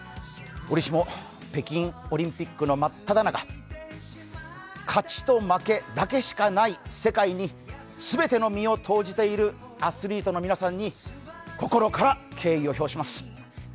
折しも、北京オリンピックのまっただ中勝ちと負けだけしかない世界に全ての身を投じているアスリートの皆さんに心から敬意を表します。